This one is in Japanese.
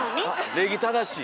礼儀正しい。